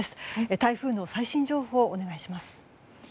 台風の最新情報をお願いします。